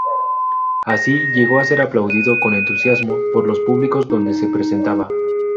Así, llegó a ser aplaudido con entusiasmo por los públicos donde se presentaba.